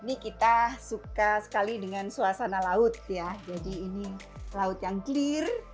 ini kita suka sekali dengan suasana laut ya jadi ini laut yang clear